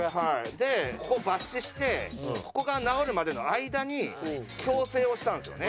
でここを抜歯してここが治るまでの間に矯正をしたんですよね。